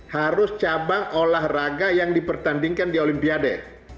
harus cabang olahraga yang dipertandingkan di olimpiade